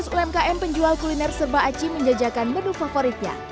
tujuh belas umkm penjual kuliner serba aci menjajakan menu favoritnya